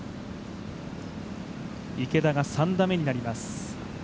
池田が３打目になります。